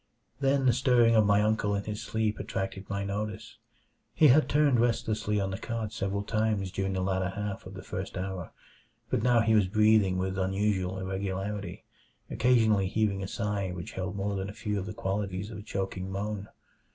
Then the stirring of my uncle in his sleep attracted my notice. He had turned restlessly on the cot several times during the latter half of the first hour, but now he was breathing with unusual irregularity, occasionally heaving a sigh which held more than a few of the qualities of a choking moan.